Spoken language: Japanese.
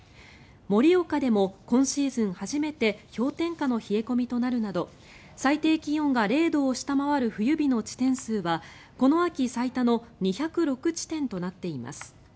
盛岡でも今シーズン初めて氷点下の冷え込みとなるなど最低気温が０度を下回る冬日の地点数はこの秋最多の２０６地点となっています。